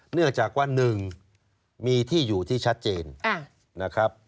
เนื่องจากว่า๑มีที่อยู่ที่ชัดเจนนะครับ